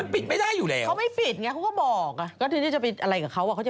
ผมได้สัมภาษณ์คนนึง